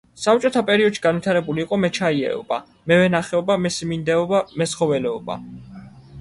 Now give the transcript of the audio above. საბჭოთა პერიოდში განვითარებული იყო მეჩაიეობა, მევენახეობა, მესიმინდეობა, მეცხოველეობა.